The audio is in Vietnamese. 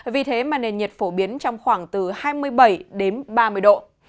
vì thế mà nền nhiệt phổ biến trong khoảng từ hai mươi bảy đến ba mươi độ